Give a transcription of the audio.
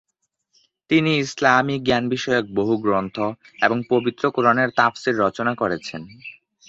তিনি ইসলামি জ্ঞান বিষয়ক বহু গ্রন্থ এবং পবিত্র কোরআনের তাফসীর রচনা করেছেন।